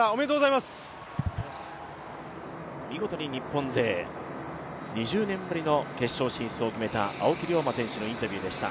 見事に日本勢２０年ぶりの決勝進出を決めた青木涼真選手のインタビューでした。